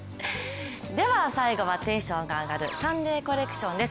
最後はテンションが上がる「サンデーコレクション」です。